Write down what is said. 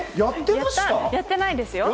やってないですよ。